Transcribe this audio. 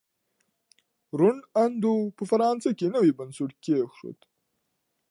روڼ اندو په فرانسه کي نوی بنسټ کیښود.